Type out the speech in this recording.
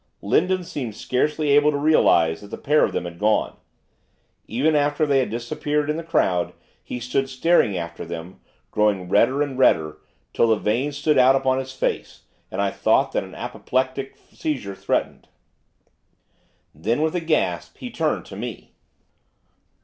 Lindon seemed scarcely able to realise that the pair of them had gone. Even after they had disappeared in the crowd he stood staring after them, growing redder and redder, till the veins stood out upon his face, and I thought that an apoplectic seizure threatened. Then, with a gasp, he turned to me.